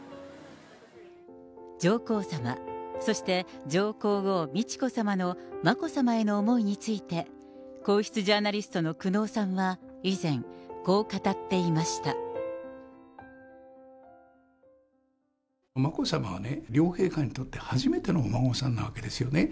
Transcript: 上皇さま、そして上皇后美智子さまの眞子さまへの思いについて、皇室ジャーナリストの久能さんは以前、眞子さまはね、両陛下にとって初めてのお孫さんなわけですよね。